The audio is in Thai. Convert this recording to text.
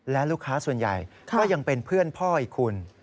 และลูกค้าส่วนใหญ่ก็ยังเป็นเพื่อนพ่ออีกคุณ